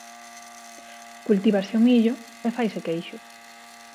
Cultívase o millo e faise queixo.